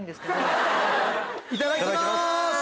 いただきます！